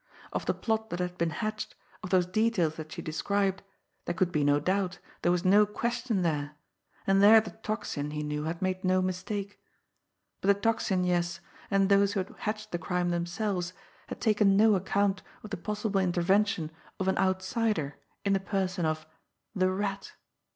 Of the plot that had been hatched, of those details that she described, there could be no doubt, there was no question there, and there the Tocsin, he knew, had made no mistake; but the Tocsin, yes, and those who had hatched the crime themselves, had taken no account of the possible intervention of an outsider in the person of the Rat!